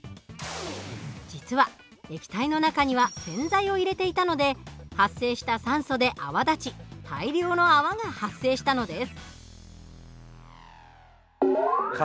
実は液体の中には洗剤を入れていたので発生した酸素で泡立ち大量の泡が発生したのです。